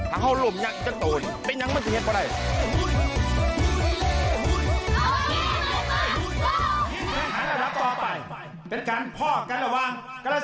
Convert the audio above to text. ถ้าเขาลบยังก็โตรไปข้างล้างมันจะเห็นก็ได้